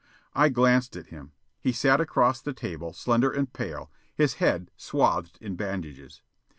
I glanced at him. He sat across the table, slender and pale, his head swathed in bandages.